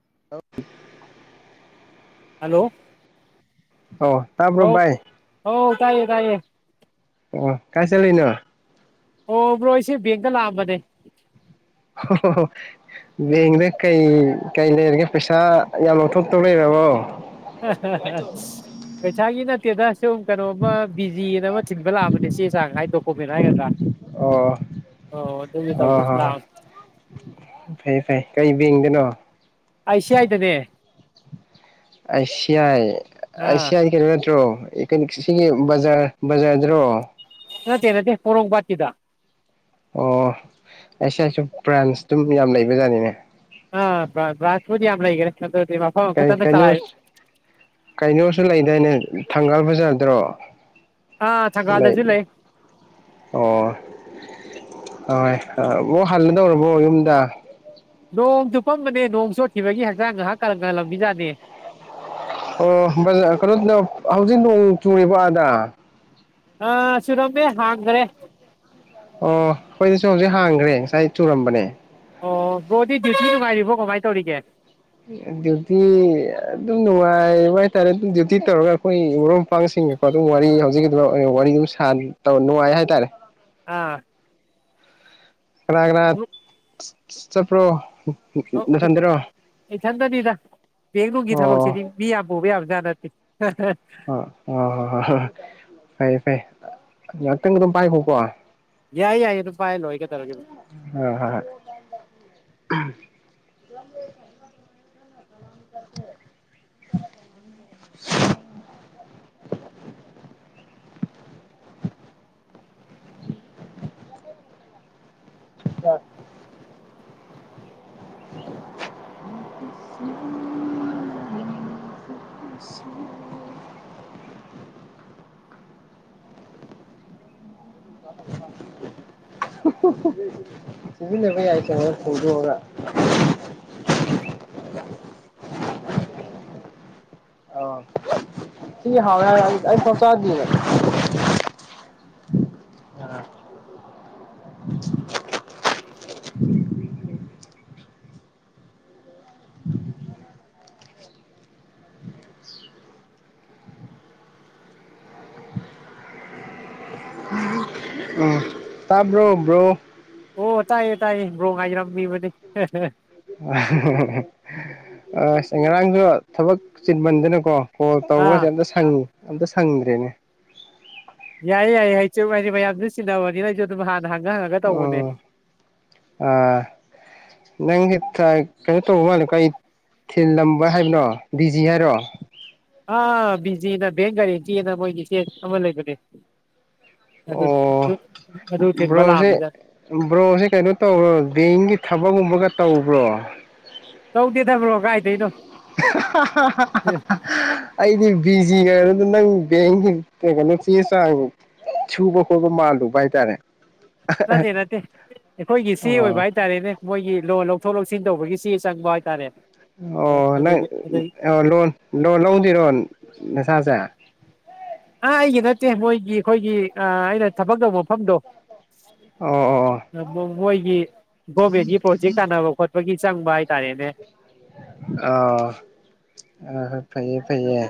[unintelligible] hello ꯑꯣ ꯇꯥꯕ꯭ꯔꯣ ꯑꯧ ꯚꯥꯏ ꯑꯧ ꯇꯥꯏꯌꯦ ꯇꯥꯏꯌꯦ ꯑꯣ ꯀꯥꯏ ꯆꯠꯂꯤꯅꯣ ꯑꯣ ꯕ꯭ꯔꯣ ꯏꯁꯤꯦ ꯕꯦꯡꯒ ꯂꯥꯑꯝꯕꯅꯦ ꯑꯣ ꯕꯦꯡꯗ ꯀꯩ ꯀꯩ ꯂꯩꯔꯒꯦ ꯄꯩꯁꯥ ꯌꯥꯝ ꯂꯧꯊꯣꯛꯇꯧ ꯂꯩꯔꯕꯣ ꯍ ꯀ ꯆꯒꯤ ꯅꯠꯇꯦꯗ ꯁꯨꯝ ꯀꯩꯅꯣꯝꯃ ꯕꯤꯖꯤꯅ ꯑꯃ ꯊꯤꯟꯕ ꯂꯥꯛꯑꯕꯅꯦ ꯆꯦ ꯆꯥꯡ ꯍꯥꯏ ꯗꯣꯀꯨꯃꯦꯟ ꯍꯥꯏꯒꯗ꯭ꯔꯥ ꯑꯣ ꯑꯣ ꯑꯣ ꯑꯗꯨꯒꯤ ꯇꯧ ꯍꯣ ꯍꯣꯏ ꯂꯥꯛꯑꯅꯤ ꯐꯩ ꯐꯩ ꯀꯩ ꯕꯦꯡꯗꯅꯣ ꯑꯁꯤꯌꯥ ꯍꯥꯏꯥꯏꯇꯅꯦ ꯑꯁꯤꯌꯥꯥꯏ ꯑꯩ ꯑꯥ ꯁꯤꯌꯥ ꯀꯩꯅ ꯅꯠꯇ꯭ꯔꯣ ꯩꯅ ꯁꯤꯒꯤ ꯕꯖꯥꯔ ꯕꯖꯥꯔꯗ꯭ꯔꯣ ꯅꯠꯇꯦ ꯅꯠꯇꯦ ꯄꯔꯣꯒ ꯆꯤꯗ ꯑꯣ ꯑꯩꯁ ꯑꯩꯁꯨ ꯕ꯭ꯔꯥꯟꯁ ꯑꯗꯨꯝ ꯌꯥꯝ ꯂꯩꯕꯖꯥꯠꯅꯤꯅꯦ ꯑ ꯔꯥꯁꯄꯨꯗꯤ ꯌꯥꯝꯒꯔ ꯆ ꯀꯩꯅꯣ ꯀꯩꯅꯣꯁꯨ ꯂꯩꯗꯅꯦ ꯊꯒꯥꯕ ꯌꯥꯗ꯭ꯔꯣ ꯑꯥ ꯁꯪꯒꯜꯗꯁꯤ ꯂꯩ ꯑꯣ ꯍꯣꯏ ꯑꯣ ꯍꯜꯂꯗꯧꯔꯕꯣ ꯌꯨꯝꯗ ꯅꯣꯡ ꯇꯨꯞꯐꯝꯝꯕꯅꯦ ꯅꯣꯡ ꯆꯣꯠꯈꯤꯕꯒꯤ ꯍꯛꯆꯥꯡ ꯉꯥꯏꯍꯥꯛ ꯀꯔꯝ ꯀꯔ ꯂꯝꯕꯤꯖꯥꯠꯅꯦ ꯑꯣ ꯀꯩꯅꯣ ꯍꯧꯖꯤꯛ ꯅꯣꯡ ꯆꯨꯔꯤꯕ ꯑꯥꯗ ꯑ ꯁꯤꯔꯝꯕꯦ ꯍꯥꯏꯗ꯭ꯔꯦ ꯑꯣ ꯑꯩꯈꯣꯏꯗꯤꯁꯨ ꯍꯧꯖꯤꯛ ꯍꯥꯡꯈ꯭ꯔꯦ ꯉꯁꯥꯏ ꯆꯨꯔꯝꯕꯅꯦ ꯑꯣ ꯣꯗꯤ ꯁꯤ ꯂꯅꯨꯡꯉꯥꯏꯔꯤꯕ ꯑꯣ ꯉꯥꯏ ꯇꯧꯔꯒꯦ ꯗ꯭ꯌꯨꯇꯤ ꯑꯗꯨꯝ ꯅꯨꯡꯉꯥꯏꯕ ꯍꯥꯏꯇꯥꯔꯦ ꯑꯗꯨꯝ ꯗ꯭ꯌꯨꯇꯤ ꯇꯧꯔꯒ ꯑꯩꯈꯣꯏ ꯃꯔꯨꯞ ꯃꯄꯥꯡꯁꯤꯡꯒꯀꯣ ꯑꯗꯨꯝ ꯋꯥꯔꯤ ꯍꯧꯖꯤꯛꯀꯤꯗꯨ ꯋꯥꯔꯤ ꯑꯗꯨꯝ ꯅꯨꯡꯉꯥꯏ ꯍꯥꯏꯇꯥꯔꯦ ꯑꯥ ꯀꯅꯥ ꯀꯅꯥ ꯁꯤ ꯆꯄ꯭ꯔꯣ ꯑꯣ ꯏꯊꯟꯇꯅꯤꯗ ꯕꯦꯡꯡꯂꯨꯒꯤ ꯑꯣ ꯊꯕꯛꯁꯤꯗꯤ ꯃꯤ ꯌꯥꯝ ꯄꯨꯕ ꯌꯥꯕꯅꯤ ꯗꯗꯤ ꯑ ꯑꯣ ꯍ ꯍ ꯐꯩꯦ ꯐꯩ ꯉꯍꯥꯛꯇꯪꯒ ꯑꯗꯨꯝ ꯄꯥꯏꯈꯣꯀꯣ ꯌꯥꯏ ꯌꯥꯏꯌꯦ ꯂꯨꯄꯥ ꯂꯣꯏꯒꯗꯧꯔꯒꯦ ꯑ ꯍ [unintelligible] [inaudible] [inaudible] [inaudible] ꯁꯤꯃꯤꯟꯅꯕ ꯌꯥꯏ ꯆꯪꯉꯒ ꯐꯣꯡꯗꯣꯛꯑꯒ ꯑ ꯁꯤ ꯍ ꯑꯩ ꯁꯥꯎ ꯆꯗꯅꯦ ꯑ ꯇꯥꯕ꯭ꯔꯣꯕ꯭ꯔꯣ ꯑꯣ ꯇꯥꯏꯌꯦ ꯇꯥꯏꯌꯦ ꯕꯔꯣ ꯉꯥꯏꯔꯝꯂꯤꯕꯅꯤ ꯑꯁ ꯉꯔꯥꯡꯁꯨ ꯊꯕꯛ ꯆꯤꯟꯃꯟꯗꯅꯀꯣ ꯐꯣꯜ ꯇꯧꯕꯁꯦ ꯑꯥ ꯑꯝꯇ ꯁꯪ ꯑꯝꯇ ꯁꯪꯗ꯭ꯔꯦꯅꯦ ꯌꯥꯏꯌꯦ ꯌꯥꯏꯌꯦ ꯍꯥꯏꯆ ꯍꯥꯏꯗꯤ ꯃꯌꯥꯝ ꯑꯗꯨ ꯆꯤꯟꯅꯕꯅꯤꯅ ꯑꯩꯁꯨ ꯑꯗꯨꯝ ꯉꯍꯥꯟ ꯎꯝ ꯑ ꯅꯪꯁꯦ ꯀꯩꯅꯣ ꯇꯧꯕ ꯃꯥꯜꯂꯦ ꯀꯔꯤ ꯊꯤꯜꯂꯝꯕ ꯍꯥꯏꯕꯅꯣ ꯗꯤꯖꯤ ꯍꯥꯏꯔꯣ ꯑꯥ ꯕꯤꯖꯤꯅ ꯕꯦꯡ ꯒꯥꯔꯦꯟꯇꯤꯅ ꯃꯣꯏꯒꯤꯁꯦ ꯑꯃ ꯂꯩꯕꯅꯦ ꯑꯗꯨ ꯑꯣ ꯑꯗꯨ ꯑꯗꯨ ꯊꯤꯟꯕ ꯕ꯭ꯔꯣꯁꯦ ꯂꯥꯛꯑꯝꯃꯤꯖꯥꯠꯅꯤ ꯕ꯭ꯔꯣꯁꯦ ꯀꯩꯅꯣ ꯇꯧ꯭ꯔꯣ ꯕꯦꯡꯒꯤ ꯊꯕꯛꯀꯨꯝꯕꯒ ꯇꯧꯕ꯭ꯔꯣ ꯇꯧꯗꯦꯗ ꯕꯔꯣ ꯀꯥꯏꯗꯩꯩꯅꯣ ꯑꯩꯗꯤ ꯕꯤꯖꯤꯒ ꯂꯩꯕꯗꯨꯗ ꯅꯪ ꯕꯦꯡꯒꯤ ꯀ ꯀꯩꯅꯣ ꯆꯦ ꯆꯥꯡ ꯁꯨꯕ ꯈꯣꯠꯄ ꯃꯥꯜꯂꯨꯕ ꯍꯥꯏꯇꯥꯔꯦ ꯅꯠꯇꯦ ꯅꯠꯇꯦ ꯑꯩꯈꯣꯏꯒꯤꯏꯆꯦ ꯑꯣꯏꯕ ꯑꯣ ꯍꯥꯏꯇꯥꯔꯦꯅꯦ ꯃꯣꯏꯒꯤ ꯂꯣꯟ ꯂꯧꯊꯣꯛ ꯂꯧꯁꯤꯟ ꯇꯧꯕꯒꯤ ꯁꯤ ꯆꯡꯕ ꯍꯥꯏꯇꯥꯔꯦ ꯑꯣ ꯅꯪ ꯑꯗꯨꯒꯤ ꯑꯗꯩ ꯂꯣꯟ ꯂꯣꯟ ꯂꯧꯗꯣꯏꯔꯣ ꯅꯁꯥꯁꯦ ꯑꯥ ꯑꯩꯒꯤ ꯅꯠꯇꯦ ꯃꯣꯏꯒꯤ ꯑꯩꯈꯣꯏꯒꯤ ꯑꯩꯅ ꯊꯕꯛ ꯇꯧꯕ ꯃꯐꯝꯗꯣ ꯑꯣ ꯑꯣ ꯃꯣꯏꯒꯤ ꯒꯣꯔꯃꯦꯟꯒꯤ ꯄ꯭ꯔꯣꯖꯦꯛ ꯇꯥꯟꯅꯕ ꯈꯣꯠꯄꯒꯤ ꯆꯪꯕ ꯍꯥꯏꯇꯥꯔꯦꯅꯦ ꯑꯣ ꯑ ꯍꯣꯏ ꯐꯩꯌꯦ ꯐꯩꯌꯦ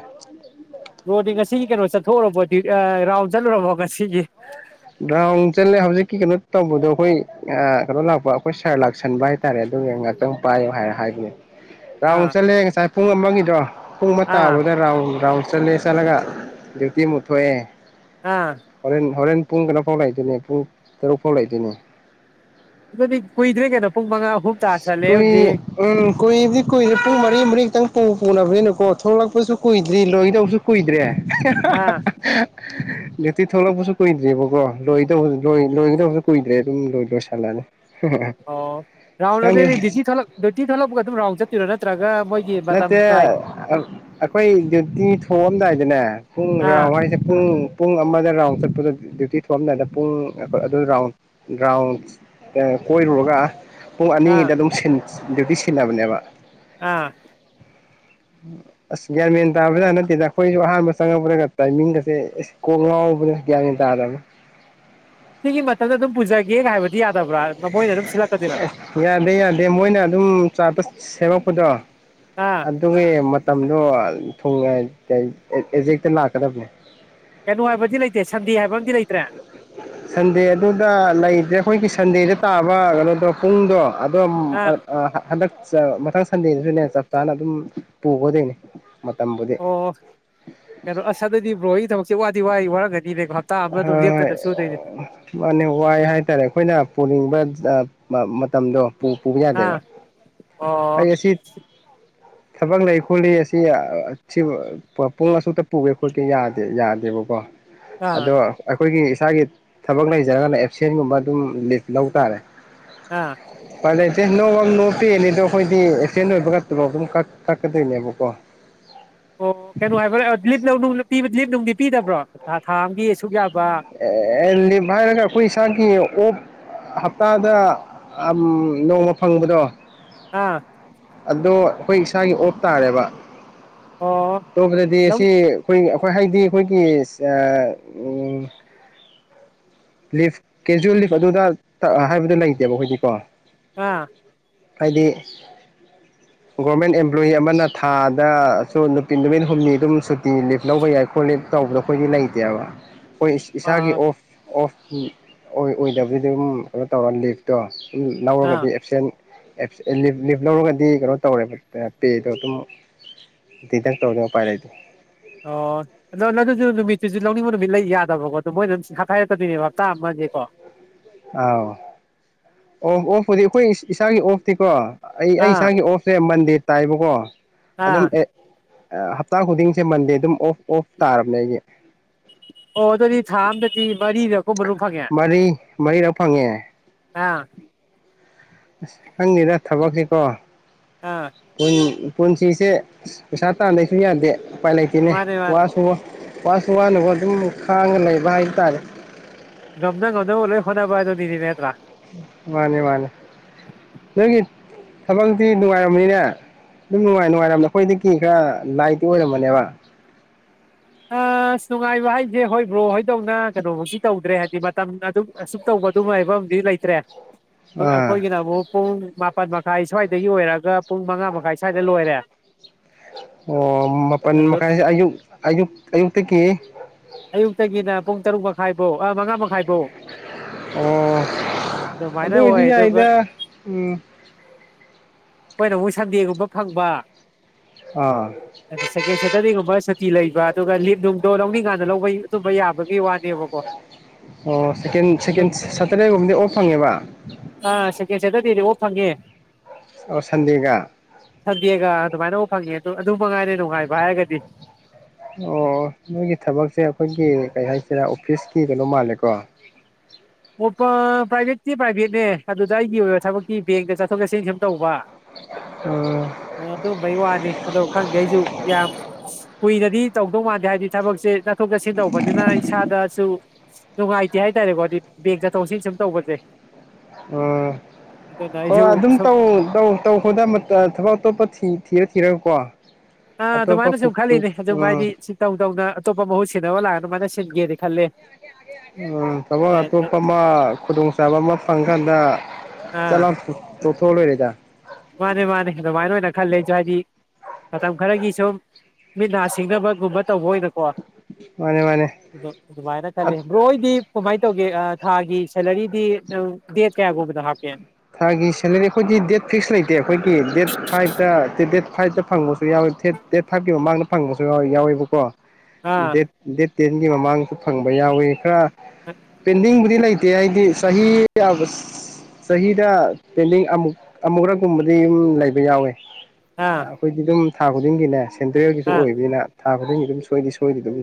ꯕꯔꯣꯗꯤ ꯉꯁꯤꯒꯤ ꯀꯩꯅꯣ ꯆꯠꯊꯣꯛꯎꯔꯕꯣꯗꯤ ꯔꯥꯎꯟ ꯆꯠꯂꯨꯔꯕꯣ ꯉꯁꯤꯒꯤ ꯔꯥꯎꯟ ꯆꯠꯂꯦ ꯍꯧꯖꯤꯛꯀꯤ ꯀꯩꯅꯣ ꯇꯧꯕꯗꯣ ꯑꯩꯈꯣꯏ ꯀꯩꯅꯣ ꯂꯥꯛꯄ ꯑꯩꯈꯣꯏ ꯁꯥꯔ ꯂꯥꯛꯁꯟꯕ ꯍꯥꯏꯇꯥꯔꯦ ꯑꯗꯨꯒ ꯉꯍꯥꯛꯇꯪ ꯄꯥꯏꯌꯣ ꯍꯥꯏꯔ ꯍꯥꯏꯕꯅꯦ ꯔꯥꯎꯟ ꯑꯥ ꯆꯠꯂꯦ ꯉꯁꯥꯏ ꯄꯨꯡ ꯑꯃꯒꯤꯗꯣ ꯄꯨꯡ ꯑꯃ ꯑꯥ ꯇꯥꯕꯗ ꯔꯥꯎꯟ ꯔꯥꯎꯟ ꯆꯠꯂꯦ ꯆꯂꯒ ꯗꯌꯨꯇꯤ ꯑꯃꯨꯛ ꯊꯣꯛꯑꯦ ꯑꯥ ꯍꯣꯔꯦꯟ ꯍꯣꯔꯦꯟ ꯄꯨꯡ ꯀꯩꯅꯣ ꯐꯧ ꯂꯩꯗꯣꯏꯅꯦ ꯄꯨꯡ ꯇꯔꯨꯛ ꯐꯧ ꯂꯩꯗꯣꯏꯅꯦ ꯑꯗꯨꯗꯤ ꯀꯨꯏꯗꯔ꯭ꯦ ꯀꯩꯅꯣ ꯄꯨꯡ ꯃꯉꯥ ꯑꯍꯨꯝ ꯇꯥꯁꯜꯂꯦ ꯀꯨꯏ ꯍꯧꯖꯤꯛ ꯎꯝ ꯀꯨꯏꯕꯗꯤ ꯀꯨꯏꯗꯦ ꯄꯨꯡ ꯃꯔꯤ ꯃꯔꯤ ꯈꯤꯇꯪ ꯄꯨ ꯅꯕꯅꯤꯅ ꯀꯣ ꯊꯣꯛꯂꯛꯄꯁꯨ ꯀꯨꯏꯗ꯭ꯔꯤ ꯂꯣꯏꯗꯧ ꯁꯨ ꯀꯣꯏꯗ꯭ꯔꯦ ꯑꯥ [unintelligible] ꯌꯛꯇꯤ ꯊꯣꯛꯂꯛꯄꯁꯨ ꯀꯨꯏꯗ꯭ꯦꯕꯀꯣ ꯂꯣꯏꯗ ꯂꯣꯏꯒꯗꯧꯕꯁꯨ ꯀꯨꯏꯗ꯭ꯔꯦ ꯑꯗꯨꯝ ꯂꯣꯏ ꯂꯣꯏꯁꯜꯂꯅꯤ ꯍ ꯑꯣ [unintelligible] ꯔꯥꯎꯟ ꯑꯗꯨꯗꯗꯤ ꯗ꯭ꯌꯇꯤꯂꯛ ꯗ꯭ꯌꯇꯤꯂꯛꯄ ꯑꯗꯨꯝ ꯔꯥꯎꯟ ꯆꯠꯇꯄꯤꯔꯣ ꯅꯠꯇ꯭ꯔꯒ ꯃꯣꯏ ꯅꯠꯇꯦ ꯑꯩꯈꯣꯏ ꯗ꯭ꯌꯨꯇꯤ ꯊꯣꯛꯣꯡꯑꯝꯗꯥꯏꯗꯅꯦ ꯄꯨꯡ ꯔꯥꯎ ꯑꯥ ꯍꯥꯏꯁꯦ ꯄꯨꯡ ꯄ ꯄꯨꯡ ꯑꯃꯗ ꯔꯥꯎꯟ ꯆꯠꯄꯗ ꯗ꯭ꯌꯨꯇꯤ ꯊꯣꯛꯑꯝꯗꯥꯗ ꯄꯨꯡ ꯑꯗꯨ ꯔꯥꯎꯟ ꯔꯥꯎꯟ ꯀꯣꯏꯔꯨꯔꯒ ꯄꯨꯡ ꯑꯥ ꯑꯅꯤꯗ ꯑꯗꯨꯝ ꯁꯅꯤ ꯗꯗꯤꯌꯗꯤ ꯁꯦꯂꯕꯅꯦꯕ ꯑꯥ ꯑꯁ ꯒ꯭ꯌꯥꯔꯃꯦꯟ ꯇꯥꯕꯗ ꯅꯠꯇꯦꯗ ꯑꯩꯈꯣꯏꯁꯨ ꯑꯍꯥꯟꯕ ꯆꯪꯉꯛꯄꯗꯒ ꯇꯥꯏꯃꯤꯡꯒꯁꯦ ꯀꯣꯛ ꯉꯥꯎꯕꯗ ꯒ꯭ꯌꯥꯃꯦꯟ ꯇꯥꯗꯕꯅ ꯁꯤꯒꯤ ꯃꯇꯝꯗ ꯑꯗꯨꯝ ꯄꯨꯖꯒꯦ ꯍꯥꯏꯕꯗꯤ ꯌꯥꯗꯕ꯭ꯔꯥ ꯃꯣꯏꯅ ꯑꯗꯨꯝ ꯁꯤꯜꯂꯛꯀꯗꯣꯏꯔꯥ ꯌꯥꯗꯦ ꯌꯥꯗꯦ ꯃꯣꯏꯅ ꯑꯗꯨꯝ ꯆꯥꯄ ꯁꯦꯝꯃꯛ ꯍꯗ ꯑꯥ ꯑꯗꯨꯒꯤ ꯃꯇꯝꯗꯣ ꯑꯦꯖꯦꯛꯇ ꯂꯥꯛꯀꯗꯕꯅꯦ ꯀꯩꯅꯣ ꯍꯥꯏꯕꯗꯤ ꯂꯩꯇꯦ ꯁꯟꯗꯦ ꯍꯥꯏꯕ ꯑꯝꯗꯤ ꯂꯩꯇ꯭ꯔꯦ ꯁꯟꯗꯦ ꯑꯗꯨꯗ ꯂꯩꯇ꯭ꯔꯦ ꯑꯩꯈꯣꯏꯒꯤ ꯁꯟꯗꯦꯗ ꯇꯥꯕ ꯀꯩꯅꯣꯗꯣ ꯄꯨꯡꯗꯣ ꯑꯗꯣ ꯑꯥ ꯃꯊꯪ ꯁꯟꯗꯦꯗꯁꯨꯅꯦ ꯆꯞ ꯆꯥꯅ ꯑꯗꯨꯝ ꯄꯨꯒꯗꯣꯏꯅꯦ ꯃꯇꯝꯕꯨꯗꯤ ꯑꯣ ꯀꯩꯅꯣ ꯑꯁꯗꯗꯤ ꯕ꯭ꯔꯣ ꯑꯩ ꯊꯕꯛꯇ ꯂꯦꯞꯇꯅ ꯁꯨꯗꯣꯏꯅꯦ ꯍꯣꯏꯣꯏ ꯃꯥꯅꯦ ꯋꯥꯏ ꯍꯥꯏꯇꯥꯔꯦ ꯑꯩꯈꯣꯏꯅ ꯄꯨꯅꯤꯡꯕ ꯃꯇꯝꯗꯣ ꯄꯨꯕ ꯑꯥ ꯌꯥꯗꯦꯕ ꯑꯣ ꯑꯩ ꯑꯁꯤ ꯊꯕꯛ ꯂꯩ ꯈꯣꯠꯂꯤ ꯑꯁꯤ ꯄꯨꯡ ꯑꯁꯨꯛꯇ ꯄꯨꯒꯦ ꯈꯣꯠꯀꯦꯗ ꯀꯕꯕꯕꯥ [unintelligible] ꯑꯥ ꯑꯗꯣ ꯑꯩꯈꯣꯏꯒꯤ ꯏꯁꯥꯒꯤ ꯊꯕꯛ ꯂꯩꯖꯔꯒꯅ ꯑꯦꯞꯁꯦꯟꯒꯨꯝꯕ ꯑꯗꯨꯝ ꯂꯤꯐ ꯂꯧꯕ ꯇꯥꯔꯦ ꯑꯥ ꯑꯦ ꯅꯣꯋꯕ ꯅꯣ ꯄꯦꯅꯤꯗꯣ ꯑꯩꯈꯣꯏꯗꯤ ꯑꯦꯕꯁꯦꯟ ꯑꯣꯏꯕꯒ ꯇꫭꯂꫭꯐ ꯑꯗꯨꯝ ꯀꯛ ꯀꯛꯀꯗꯣꯏꯅꯦꯕꯀꯣ ꯑꯣ ꯀꯩꯅꯅꯨꯡ ꯍꯥꯏꯕꯔ ꯑꯗꯂꯤ ꯅ ꯂꯦꯞꯅꯨꯡꯗꯤ ꯄꯤꯗꯕ꯭ꯔꯣ ꯊꯥ ꯑꯃꯒꯤ ꯁꯨꯒꯌꯥꯕ ꯑꯦ ꯂꯤꯞ ꯍꯥꯏꯔꯒ ꯑꯩꯈꯣꯏ ꯏꯁꯥꯒꯤ ꯑꯣꯞ ꯍꯞꯇꯥꯗ ꯅꯣꯡꯃ ꯐꯪꯕꯗꯣ ꯑꯥ ꯑꯗꯣ ꯑꯩꯈꯣꯏ ꯏꯁꯥꯒꯤ ꯑꯣꯠ ꯇꯥꯔꯦꯕ ꯑꯣ ꯇꯧꯕꯗꯗꯤ ꯑꯁꯤ ꯂꯧꯅꯤ ꯑꯩꯈꯣꯏ ꯍꯣꯏ ꯍꯥꯏꯗꯤ ꯑꯩꯈꯣꯏꯒꯤ ꯂꯤꯐ ꯀꯦꯖꯨꯋꯦꯜ ꯂꯤꯐ ꯑꯗꯨꯗ ꯍꯥꯏꯕꯗꯨ ꯂꯩꯇꯦꯕ ꯍꯧꯖꯤꯣꯏꯗꯤꯀꯣ ꯑꯥ ꯍꯥꯏꯗꯤ ꯒꯣꯔꯃꯦꯟ ꯑꯦꯝꯄ꯭ꯂꯣꯌꯤ ꯑꯃꯅ ꯊꯥꯗꯁꯨ ꯅꯨꯄꯤ ꯅꯨꯃꯤꯠ ꯍꯨꯝꯅꯤ ꯑꯗꯨꯝ ꯁꯨꯇꯤ ꯂꯤꯞ ꯂꯧꯕ ꯌꯥꯏ ꯈꯣꯠ ꯂꯤꯞ ꯇꯧꯕꯗꯣ ꯑꯩꯈꯣꯏꯗꯤ ꯂꯩꯇꯦꯕ ꯑꯩꯈ ꯏꯁꯥꯒꯤ ꯑꯥ ꯑꯣꯐ ꯑꯣꯐ ꯑꯣꯏ ꯑꯣꯏꯗꯕꯗꯨꯗꯤ ꯑꯗꯨꯝ ꯀꯩꯅꯣ ꯇꯧꯔ ꯂꯤꯐꯇꯣ ꯑꯥ ꯂꯧꯔꯒꯗꯤ ꯑꯦꯞꯁꯦꯟ ꯂꯤꯞ ꯂꯤꯞ ꯂꯧꯔꯒꯗꯤ ꯀꯩꯅꯣ ꯇꯧꯔꯦꯕ ꯄꯦꯗꯣ ꯑꯗꯨꯝ ꯇꯪ ꯇꯧꯗꯄꯥꯏꯔꯏꯗꯤ ꯑꯣ ꯑꯗ ꯑꯗꯨ ꯅꯨꯃꯤꯠꯇꯨꯁꯨ ꯂꯧꯅꯤꯡꯕ ꯅꯨꯃꯤꯠ ꯂꯩ ꯌꯥꯗꯕꯀꯣ ꯑꯗꯨ ꯃꯣꯏꯅ ꯑꯗꯨꯝ ꯍꯥꯐꯥꯏꯔꯛꯇꯣꯏꯅꯦꯕ ꯍꯞꯇꯥ ꯑꯃꯀꯣ ꯑꯥꯎ ꯑꯣꯐ ꯑꯣꯐꯄꯨꯗꯤ ꯑꯩꯈꯣꯏ ꯏꯁꯥꯒꯤ ꯑꯣꯐꯇꯤꯀꯣ ꯑꯩ ꯑꯩ ꯑꯥ ꯏꯁꯥꯒꯤ ꯑꯣꯐꯁꯦ ꯃꯟꯗꯤꯠ ꯇꯥꯏꯔꯤꯕ ꯀꯣ ꯑꯥ ꯑꯗꯨꯝ ꯑꯦ ꯍꯞꯇꯥ ꯈꯨꯗꯤꯡꯁꯦ ꯃꯟꯗꯦ ꯑꯗꯨꯝ ꯑꯣꯐ ꯑꯣꯐ ꯇꯥꯔꯕꯅꯦ ꯑꯩꯒꯤ ꯑꯣꯗꯣꯗꯤ ꯊꯝꯗꯦꯇ ꯃꯔꯤ ꯃꯔꯤꯔꯛ ꯐꯪꯉꯦ ꯑꯥ ꯑꯁ ꯈꯪꯉꯗꯥ ꯊꯕꯛꯁꯤꯀꯣ ꯑꯥ ꯎꯝ ꯄꯨꯟꯁꯤꯁꯦ ꯄꯩꯁꯥ ꯇꯥꯗꯁꯨ ꯌꯥꯗꯦ ꯎꯄꯥꯏ ꯂꯩꯇꯦꯅꯦ ꯃꯥꯅꯦ ꯃꯥꯅꯦ ꯋꯥꯁꯨ ꯋꯥꯁꯨ ꯋꯥꯅꯕ ꯑꯗꯨꯝ ꯈꯥꯡꯉ ꯂꯩꯕ ꯍꯥꯏꯕ ꯇꯥꯔꯦ ꯉꯝꯅꯪ ꯉꯣꯟꯅ ꯂꯩꯦ ꯍꯣꯟꯕꯥꯏꯗꯣꯅꯤꯅꯦ ꯍꯥ꯭ꯔꯥ ꯊꯕꯛꯇꯛꯇꯤ ꯅꯨꯡꯉꯥꯏꯔꯝꯕꯅꯤꯅꯦ ꯑꯗꯨꯝ ꯅꯨꯡꯉꯥꯏ ꯅꯨꯡꯉꯥꯏꯔꯝꯕꯗ ꯑꯩꯈꯣꯏꯗꯒꯤ ꯈꯔ ꯂꯥꯏꯇꯤ ꯑꯣꯏꯔꯝꯕꯅꯦꯕ ꯑ ꯅꯨꯡꯉꯥꯏꯕ ꯍꯥꯏꯁꯦ ꯍꯣꯏꯕ꯭ꯔꯣ ꯍꯣꯏꯗꯧꯅ ꯀꯩꯅꯣꯐꯧꯁꯤ ꯇꯧꯗ꯭ꯔꯦ ꯍꯥꯏꯕꯗꯤ ꯃꯇꯝ ꯑꯗꯨꯛ ꯑꯁꯨꯛ ꯇꯧꯕ ꯑꯗꯨꯝ ꯍꯥꯏꯕ ꯑꯗꯤ ꯂꯩꯇ꯭ꯔꯦ ꯑꯥ ꯑꯩꯈꯣꯌꯒꯤ ꯑꯃꯨꯛ ꯄꯨꯪ ꯃꯥꯄꯜ ꯃꯈꯥꯏ ꯁ꯭ꯋꯥꯏꯗꯒꯤꯣꯏꯔꯒ ꯄꯨꯡ ꯃꯉꯥ ꯃꯈꯥꯏ ꯁ꯭ꯋꯥꯏꯗ ꯂꯣꯏꯔꯦ ꯑꯣ ꯃꯥꯄꯜ ꯑꯗꯨ ꯃꯈꯥꯏꯁꯦ ꯑꯌꯨꯛ ꯑꯌꯨꯛ ꯑꯌꯨꯛꯇꯒꯤ ꯑꯌꯨꯛꯇꯒꯤꯅ ꯄꯨꯡ ꯇꯔꯨꯛ ꯃꯈꯥꯏꯐꯧ ꯃꯉꯥ ꯃꯈꯥꯏ ꯑꯣ ꯑꯗꯨꯗ ꯑꯗꯨꯃꯥꯏꯅ ꯑꯣꯏꯗꯤ ꯑꯣꯏ ꯌꯥ ꯑꯗꯨꯒ ꯏꯗ ꯎꯝ ꯑꯩꯈꯣꯏꯅ ꯑꯃꯨꯛ ꯁꯟꯗꯦꯒꯨꯝꯕ ꯐꯪꯕ ꯑꯥ ꯑ ꯁꯀꯦꯇ [unintelligible] ꯑꯗꯨꯒ ꯂꯤ ꯗꯧꯔꯤ ꯀꯟꯗ ꯌꯥꯕꯒꯤ ꯋꯥ ꯑꯣ ꯁꯦꯀ ꯑꯗꯨ ꯁꯦꯀꯦꯟ ꯁꯇꯔꯗꯦꯒꯨꯝꯕꯗꯤ ꯑꯣꯐ ꯐꯪꯉꯦꯕ ꯁꯦꯀꯦꯟ ꯁꯦꯇꯔꯗꯦꯗꯤ ꯑꯣꯐ ꯐꯪꯉꯦ ꯑꯣ ꯁꯟꯗꯤꯒ ꯁꯟꯗꯦꯒ ꯑꯗꯨꯃꯥꯏꯅ ꯎ ꯐꯪꯉꯦ ꯑꯗꯨ ꯑꯗꯨ ꯃꯉꯥꯏꯔꯦ ꯅꯨꯡꯉꯥꯏꯕ ꯍꯥꯏꯔꯒꯗꯤ ꯑꯣ ꯅꯣꯏꯒꯤ ꯊꯕꯛꯁꯦ ꯑꯩꯈꯣꯏꯒꯤ ꯀꯩ ꯍꯥꯏꯁꯤꯔꯦ ꯑꯣꯐꯤꯁꯀꯤ ꯀꯩꯅꯣ ꯃꯥꯜꯂꯦꯀꯣ ꯄ꯭ꯔꯥꯏꯚꯦꯠꯇꯠꯇꯤ ꯄ꯭ꯔꯥꯏꯚꯦꯠꯅꯦ ꯑꯗꯨꯗ ꯑꯩꯒꯤ ꯑꯣꯏꯕ ꯊꯕꯛꯀꯤ ꯕꯦꯡꯇ ꯆꯠꯊꯣꯛ ꯆꯠꯁꯤꯟ ꯁꯨꯝ ꯇꯧꯕ ꯎꯝ ꯑꯗꯨꯝꯕꯩ ꯋꯥꯅꯤ ꯑꯗꯣ ꯈꯪꯗꯦ ꯑꯩꯁꯨ ꯌꯥꯝ ꯀꯨꯏꯅꯗꯤ ꯇꯧꯗꯧ ꯃꯥꯥꯟꯗꯦ ꯍꯥꯏꯕꯗꯤ ꯊꯕꯛꯁꯦ ꯆꯠꯊꯣꯛ ꯆꯠꯁꯤꯟ ꯇꯧꯕꯅꯤꯅ ꯏꯁꯥꯗꯁꯨ ꯅꯅꯨꯡꯥꯏꯇꯦ ꯍꯥꯏ ꯇꯔꯦꯕꯣꯗꯤ ꯕꯦꯛ ꯆꯠ ꯆꯠꯁꯤꯟ ꯁꯨꯝ ꯇꯧꯕꯁꯦ ꯑꯗꯨꯅ ꯑꯣ ꯑꯣ ꯑꯩꯁꯨ ꯑꯗꯨꯝ ꯁꯨꯝ ꯇꯧ ꯇꯧꯗ ꯊꯕꯛ ꯑꯇꯣꯞꯄ ꯊ ꯀꯤꯔꯛꯀꯣ ꯑꯥ ꯑꯗꯨꯃꯥꯏꯅ ꯁꯨꯝ ꯈꯜꯂꯤꯅꯦ ꯑꯗꯨꯝ ꯍꯥꯏꯗꯤ ꯎꯝ ꯁꯤ ꯇꯧ ꯇꯧꯅ ꯑꯇꯣꯞꯄ ꯃꯍꯨꯠ ꯁꯤꯟꯅꯕ ꯂꯥꯛꯑ ꯑꯗꯨꯃꯥꯏꯅ ꯁꯤꯟꯒꯦꯅꯦ ꯈꯜꯂꯦ ꯎꯝ ꯊꯕꯛ ꯑꯇꯣꯞꯄ ꯑꯃ ꯈꯨꯗꯣꯡꯆꯥꯥꯕ ꯑꯃ ꯐꯪꯀꯥꯟꯗ ꯑꯥ ꯆꯠꯂꯝ ꯇꯣꯛ ꯊꯣꯛꯔꯩꯗ ꯃꯥꯅꯦ ꯃꯥꯅꯦ ꯑꯗꯨꯃꯥꯏꯅ ꯑꯣꯏꯅ ꯈꯂꯦꯁꯨ ꯍꯥꯏꯗꯤ ꯃꯇꯝ ꯈꯔꯒꯤ ꯁꯨꯝ ꯃꯤꯠ ꯅꯥ ꯁꯤꯡꯅꯕꯒꯨꯝꯕ ꯇꯧꯕ ꯑꯣꯏꯅꯀꯣ ꯃꯥꯅꯦ ꯃꯥꯅꯦ ꯑꯗꯨꯃꯥꯏꯅ ꯈꯜꯂꯤ ꯕꯣꯛꯍꯣꯏꯗꯤ ꯀꯃꯥꯏꯅ ꯇꯧꯒ ꯊꯥꯒꯤ ꯁꯦꯂꯔꯤꯗꯤ ꯗꯦꯠ ꯀꯌꯥꯒꯨꯝꯕꯗ ꯍꯥꯞꯀꯦ ꯊꯥꯒꯤ ꯁꯂꯔꯤ ꯈꯣꯏꯒꯤ ꯗꯦꯠ ꯐꯤꯛꯁ ꯂꯩꯇꯦ ꯑꯩꯈꯣꯏꯒꯤ ꯗꯦꯠ ꯐꯥꯏꯕꯇ ꯗꯦꯠ ꯐꯥꯏꯚꯇ ꯐꯪꯕꯁꯨ ꯌꯥꯎꯋꯦ ꯊꯦꯠ ꯗꯦꯠ ꯐꯥꯏꯚꯀꯤ ꯃꯃꯥꯡꯗ ꯐꯪꯕꯁꯨ ꯌꯥ ꯌꯥꯎꯋꯦꯕꯀꯣ ꯑꯥ ꯗꯦꯠ ꯗꯦꯠ ꯇꯦꯟꯒꯤ ꯃꯃꯥꯡꯁꯨ ꯐꯪꯕ ꯌꯥꯎꯋꯤ ꯈꯔ ꯑꯥ ꯄꯦꯟꯗꯤꯡ ꯗꯤ ꯂꯩꯇꯦ ꯍꯥꯏꯗꯤ ꯆꯍꯤ ꯑꯕ ꯆꯍꯤꯗ ꯄꯦꯟꯗꯤꯡ ꯑꯃꯨꯛ ꯑꯃꯨꯛꯨꯔꯛꯀꯨꯝꯕꯗꯤ ꯑꯗꯨꯝ ꯂꯩꯕ ꯌꯥꯎꯋꯦ ꯑꯥ ꯑꯩꯈꯣꯏꯒꯤ ꯑꯗꯨꯗ ꯊꯥ ꯈꯨꯗꯤꯡꯒꯦꯅꯦ ꯁꯦꯟꯇ꯭ꯔꯦꯜꯒꯤꯁꯨ ꯑꯣꯏꯕꯅꯤꯅ ꯊꯥꯕꯗꯒꯤꯅꯤ ꯑꯗꯨꯝ ꯁꯣꯏꯗꯤ ꯁꯣꯏꯗꯤ ꯑꯗꯨꯝ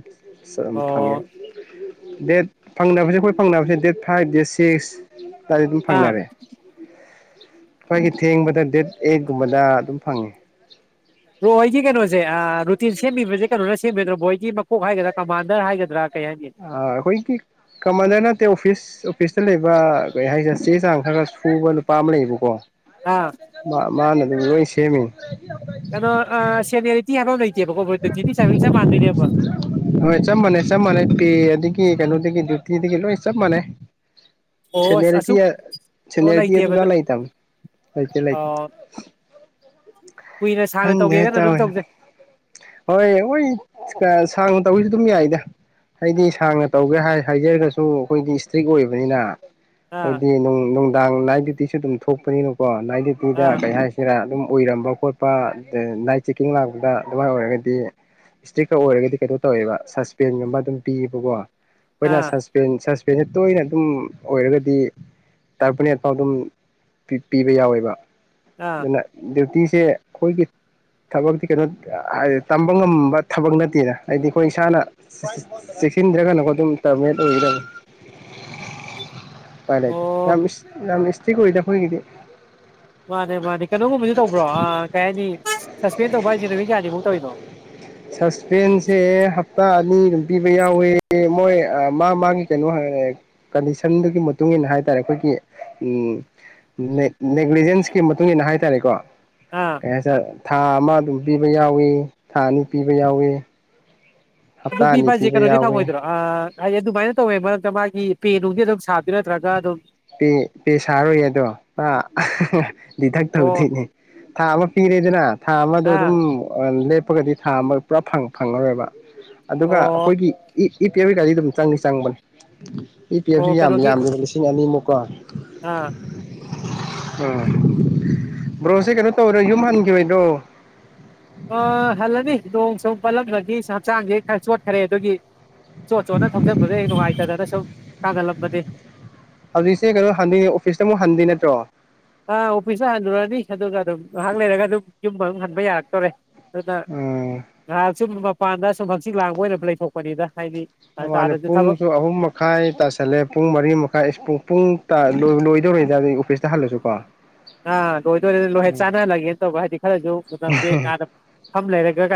ꯁ ꯐꯥꯉꯦ ꯑꯣ ꯗꯦꯠ ꯐꯪꯅꯕꯁꯦ ꯑꯩꯈꯣꯏ ꯐꯪꯅꯕꯁꯦ ꯗꯦꯠ ꯐꯥꯏꯚ ꯗꯦꯠ ꯁꯤꯛꯁ ꯇꯥꯗꯤ ꯑꯗꯨꯝ ꯑꯥ ꯐꯪꯅꯔꯦ ꯑꯩꯈꯣꯏꯒꯤ ꯊꯦꯡꯕꯗ ꯗꯦꯠ ꯑꯦꯠꯀꯨꯝꯕꯗ ꯑꯗꯨꯝ ꯐꯪꯉꯤ ꯕꯣꯔ ꯍꯣꯏꯒꯤ ꯀꯩꯅꯣꯁꯦ ꯑꯥ ꯔꯨꯠ ꯇꯤꯟ ꯁꯦꯝꯃꯤꯕꯁꯦ ꯀꯩꯅꯣꯅ ꯁꯦꯝꯃꯤꯗ꯭ꯔꯥ ꯃꯣꯏꯒꯤ ꯃꯀꯣꯛ ꯍꯥꯏꯒꯗ꯭ꯔꯥ ꯀꯃꯥꯟꯗꯔ ꯍꯥꯏꯒꯗ꯭ꯔꯥ ꯀꯩ ꯍꯥꯏꯅꯤ ꯑ ꯑꯩꯈꯣꯏ ꯒꯤ ꯀꯃꯟꯗ ꯅꯠꯇꯦ ꯑꯣꯐꯤꯁ ꯑꯣꯐꯤꯁꯇ ꯂꯩꯕ ꯀꯩ ꯍꯥꯏꯁꯤꯔꯥ ꯆꯦ ꯆꯥꯡ ꯈꯔ ꯈꯔ ꯁꯨꯕ ꯅꯨꯨꯄꯥ ꯑꯃ ꯂꯩꯌꯦꯕꯀꯣ ꯑꯥ ꯃꯥꯅꯅꯤ ꯂꯣꯏ ꯁꯦꯝꯃꯤꯅꯤ ꯀꯩꯅꯣ ꯑ ꯁꯦꯅꯦꯔꯤꯇꯤ ꯍꯥꯏꯕ ꯑꯝ ꯂꯩꯇꯦꯕꯀꯣ ꯑꯟꯏꯟꯇꯦꯜꯂꯤꯖꯦꯕꯜ ꯆꯞ ꯃꯥꯟꯗꯣꯏꯅꯦꯕ ꯑꯦ ꯑꯗꯒꯤ ꯀꯩꯅꯣꯗꯒꯤ ꯗꯤꯌꯨꯇꯤꯗꯒꯤ ꯂꯣꯏ ꯆꯞ ꯃꯥꯟꯅꯩ ꯑꯣ ꯑꯁ ꯁꯦꯟꯅꯦꯔꯤꯇꯤ ꯑꯁꯨꯛ ꯑ ꯑꯣ ꯁꯦꯟꯅꯦꯔꯤꯇꯤ ꯑꯗꯨ ꯂꯩꯇꯦꯕ ꯑꯗ ꯂꯥꯏꯇꯝ ꯂꯩꯇꯦ ꯂꯩꯇꯦ ꯑꯣ ꯀꯨꯏꯅ ꯁꯥꯡꯅ ꯈꯪꯗꯦ ꯇꯧꯒꯦꯒꯅ ꯑꯗꯨꯝ ꯇꯋꯥꯁꯤ ꯇꯧꯖꯩ ꯍꯣꯏ ꯃꯣꯏ ꯁ ꯀ ꯁꯥꯡꯅ ꯇꯧꯒꯦꯁꯨ ꯑꯗꯨꯝ ꯌꯥꯏꯗ ꯑꯩꯗꯤ ꯑꯥ ꯁꯥꯡꯅ ꯇꯧꯒꯦ ꯍꯥꯏ ꯍꯥꯏꯖꯔꯒꯁꯨ ꯑꯩꯈꯣꯏꯒꯤ ꯏꯁꯇ꯭ꯔꯤꯛ ꯑꯣꯏꯕꯅꯤꯅ ꯑꯥ ꯈꯣꯏꯗꯤ ꯅꯨꯡ ꯅꯨꯡ ꯗꯥꯥꯡ ꯅꯥꯏꯠ ꯗ꯭ꯌꯨꯇꯤꯁꯨ ꯑꯗꯨꯝ ꯊꯣꯛꯄꯅꯤꯅꯀꯣ ꯅꯥꯏꯠ ꯗ꯭ꯌꯨꯇꯤꯗ ꯑꯥ ꯀꯩ ꯍꯥꯏꯁꯤꯔꯥ ꯑꯗꯨꯝ ꯑꯣꯏꯔꯝꯕ ꯈꯣꯠꯄ ꯗꯩ ꯅꯥꯏꯠ ꯆꯦꯛꯀꯤꯡ ꯂꯥꯛꯄꯗ ꯑꯗꯨꯃꯥꯏꯅ ꯑꯣꯏꯔꯒꯗꯤ ꯏꯁꯇꯤꯛꯇꯣ ꯑꯣꯏꯔꯒꯗꯤ ꯀꯩꯅꯣ ꯍꯇꯧꯋꯦꯕ ꯁꯁꯄꯦꯟꯒꯨꯝꯕ ꯑꯗꯨꯝ ꯄꯤꯑꯦꯕꯀꯣ ꯈꯣꯏꯅ ꯑꯥ ꯁꯟꯁꯀ꯭ꯔꯤꯟ ꯁꯟꯁ ꯀꯩꯅꯣ ꯇꯣꯏꯅ ꯑꯗꯨꯝ ꯑꯣꯏꯔꯒꯗꯤ ꯇꯔꯄꯅꯦꯠ ꯐꯥꯎ ꯑꯗꯨꯝ ꯄꯤꯕ ꯌꯥꯎꯋꯦꯕ ꯑꯥ ꯗꯨꯅ ꯗ꯭ꯌꯨꯇꯤꯁ ꯁꯦ ꯑꯩꯈꯣꯏꯒꯤ ꯊꯕꯛꯇꯤ ꯀꯩꯅꯣ ꯇꯑꯑ ꯇꯝꯕ ꯉꯝꯕ ꯊꯕꯛ ꯅꯠꯇꯦꯗ ꯍꯥꯏꯗꯤ ꯑꯩꯈꯣꯏ ꯏꯁꯥꯅ ꯆꯦꯛꯁꯤꯟꯗ꯭ꯔꯒꯅꯀꯣ ꯑꯗꯨꯝ ꯇꯕꯃꯦ ꯑꯣꯏꯒꯗꯕ ꯐꯔꯦ ꯑꯣ ꯌꯥꯝ ꯏꯁ ꯌꯥꯝ ꯏꯁ ꯁꯇ꯭ꯔꯤꯛ ꯑꯣꯏꯗ ꯑꯩꯈꯣꯏꯒꯤꯗꯤ ꯃꯥꯅꯦ ꯃꯥꯅꯦ ꯀꯩꯅꯣꯒꯨꯝꯕꯁꯨ ꯇꯧꯕ꯭ꯔꯣ ꯑ ꯀꯩ ꯍꯥꯏꯅꯤ ꯁꯁꯄꯦꯟ ꯇꯧꯕ ꯍꯥꯏꯁꯦ ꯅꯨꯃꯤꯠ ꯀꯌꯥꯅꯤꯃꯨꯛ ꯇꯧꯔꯤꯅꯣ ꯅꯤꯒꯨꯝ ꯄꯤꯕ ꯌꯥꯎꯋꯦ ꯃꯣꯏ ꯑ ꯃꯥ ꯃꯥꯒꯤ ꯀꯩꯅꯣ ꯑ ꯀꯟꯗꯤꯁꯟꯗꯨꯒꯤ ꯃꯇꯨꯡ ꯏꯟꯅ ꯍꯥꯏꯇꯥꯔꯦ ꯑꯩꯈꯣꯏꯒꯤ ꯑꯝ ꯅꯦ ꯅꯦꯒꯂꯤꯖꯦꯟꯁꯀꯤ ꯃꯇꯨꯡ ꯏꯟꯅ ꯍꯥꯏꯇꯥꯔꯦꯀꯣ ꯑꯥ ꯀꯩ ꯏꯟꯖꯥꯡ ꯆꯥ ꯊꯥ ꯑꯃ ꯑꯗꯨꯝ ꯄꯤꯕ ꯌꯥꯎꯏ ꯊꯥ ꯑꯅꯤ ꯄꯤꯕ ꯌꯥꯎꯏꯤ ꯑꯗꯨ ꯄꯤꯕ ꯍꯥꯏꯖꯦ ꯀꯩꯅꯣꯗꯤ ꯐꯪꯉꯣꯏꯗ꯭ꯔꯣ ꯑ ꯍꯤꯏꯗꯤ ꯑꯗꯨꯃꯥꯏꯅ ꯇꯧꯋꯦ ꯃꯔꯛꯇ ꯃꯥꯒꯤ ꯄꯦ ꯅꯨꯡꯗꯤ ꯑꯗꯨꯝ ꯁꯥꯗꯣꯏ ꯅꯠꯇ꯭ꯔꯒ ꯑꯗꯨꯝ ꯄꯦ ꯄꯦ ꯁꯥꯔꯔꯣꯏꯌꯦ ꯑꯗꯣ ꯃꯥ ꯗꯤꯗꯛ ꯑꯣ ꯇꯧꯗꯣꯏꯅꯦ ꯊꯥ ꯑꯃ ꯄꯤꯔꯦꯗꯅ ꯊꯥ ꯑꯃꯗꯣ ꯑꯥ ꯑꯗꯨꯝ ꯑ ꯂꯦꯞ ꯍꯥꯞꯄꯒꯗꯤ ꯊꯥ ꯑꯃ ꯄꯨꯔꯥ ꯐꯪ ꯐꯪꯉꯔꯣꯏꯕ ꯑꯗꯨꯒ ꯑꯣ ꯑꯈꯣꯏꯒꯤ ꯏ ꯏ ꯄꯤꯃꯤ ꯑꯗꯨꯝ ꯆꯡꯗꯤ ꯆꯡꯕꯅꯦ ꯄ ꯄꯤ ꯑꯣ ꯑꯦꯐꯁꯨ ꯀꯩꯅꯣꯒꯤ ꯌꯥꯝꯗꯕ ꯂꯤꯁꯤꯡ ꯑꯅꯤꯃꯨꯛ ꯀꯣꯏ ꯑꯥ ꯑ ꯕ꯭ꯔꯣꯁꯦ ꯀꯩꯅꯣ ꯇꯧꯔꯦ ꯌꯨꯝ ꯍꯟꯈꯤꯔꯣꯏꯗꯔꯣ ꯑ ꯍꯜꯂꯅꯤ ꯅꯣꯡ ꯁꯨꯝ ꯄꯜꯂꯝꯕꯒꯤ ꯍꯛꯆꯥꯡꯁꯦ ꯈꯔ ꯆꯣꯠꯈ꯭ꯔꯦ ꯑꯗꯨꯒꯤ ꯆꯣꯠ ꯆꯣꯠꯅ ꯊꯧꯖꯟꯕꯗ ꯅꯨꯡꯉꯥꯏꯇꯗꯅ ꯁꯨꯝ ꯀꯥꯪꯍꯟꯂꯝꯕꯅꯤ [unintelligible] ꯍꯧꯖꯤꯛꯁꯦ ꯀꯩꯅꯣ ꯍꯟꯗꯣꯏꯅꯦ ꯑꯣꯐꯤꯁꯇ ꯑꯃꯨꯛ ꯍꯟꯗꯣꯏ ꯅꯠꯇ꯭ꯔꯣ ꯑ ꯑꯣꯐꯤꯁꯇ ꯍꯜꯂꯨꯔꯅꯤ ꯑꯗꯨꯒ ꯑꯗꯨꯝ ꯉꯥꯏꯍꯥꯛ ꯂꯩꯔꯒ ꯑꯗꯨꯝ ꯌꯨꯝ ꯑꯗꯨꯝ ꯍꯟꯕ ꯌꯥꯔꯛꯇꯣꯔꯦ ꯑꯗꯨꯅ ꯎꯝ ꯉꯥꯏꯍꯥꯛ ꯁꯨꯝ ꯃꯄꯥꯟꯗ ꯁꯨꯝ ꯍꯛꯆꯤꯛ ꯂꯥꯡꯕ ꯑꯣꯏꯅ ꯂꯩꯊꯣꯛꯄꯅꯤꯗ ꯍꯥꯏꯗꯤ ꯃꯥꯅꯦ ꯇꯥꯗꯁꯨ ꯊꯕꯛ ꯄꯨꯡꯁꯨ ꯑꯍꯨꯝ ꯃꯈꯥꯏ ꯇꯥꯁꯜꯂꯦ ꯄꯨꯡ ꯃꯔꯤ ꯃꯈꯥꯏ ꯄꯨꯡ ꯂꯣꯏꯕꯨ ꯂꯣꯏꯗꯧꯔꯦ ꯑꯣꯐꯤꯁꯇ ꯍꯜꯂꯁꯨ ꯀꯣ ꯑꯥ ꯂꯣꯏꯗꯣꯔꯦ ꯂꯣꯏ ꯆꯥꯟꯅꯍꯜꯂꯒꯦꯅ ꯇꯧꯕ ꯍꯥꯏꯗꯤ ꯈꯔꯁꯨ ꯃꯇꯝꯁꯦ ꯑꯥꯗ ꯐꯝꯂꯩꯔꯒ ꯀꯩꯗꯧ